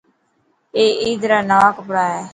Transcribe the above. اي عيد را نوان ڪپڙا هي.